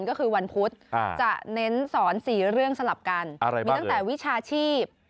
ก็คือวันพุธจะเน้นสอน๔เรื่องสลับกันมีตั้งแต่วิชาชีพ